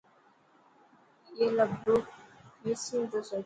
اي لاءِ بريو ڪيسن تو سوچي.